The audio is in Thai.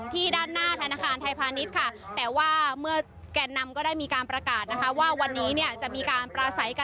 ที่ด้านหน้าธนาคารถ